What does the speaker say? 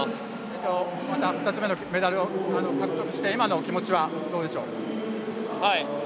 また２つ目のメダルを獲得して今のお気持ちはどうでしょう？